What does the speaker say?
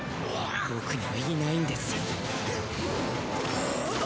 僕にはいないんですよ。